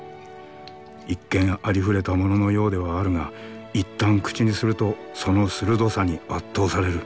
一見ありふれたもののようではあるがいったん口にするとその鋭さに圧倒される。